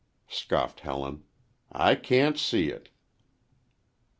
scoffed Helen; "I can't see it."